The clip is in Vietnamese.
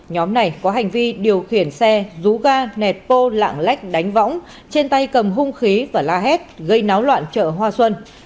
nhóm này có hành vi điều khiển xe rú ga nẹt bô lạng lách đánh võng trên tay cầm hung khí và la hét gây náo loạn chợ hoa xuân